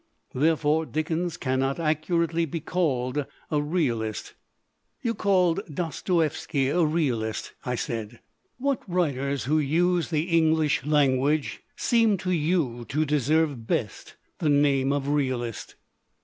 Therefore, Dickens cannot accurately be called a realist." "You called Dostoievski a realist," I said. "What writers who use the English language seem to you to deserve best the name of realist?"